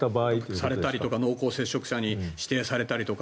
されたりとか濃厚接触者に指定されたりとか。